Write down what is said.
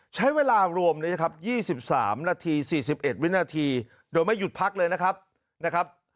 ใช้เวลารวมนะครับ๒๓นาที๔๑วินาทีโดยไม่หยุดพักเลยนะครับ